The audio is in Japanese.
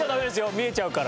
見えちゃうから。